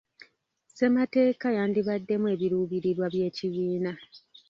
Ssemateeka yandibaddemu ebiruubirirwa by’ekibiina.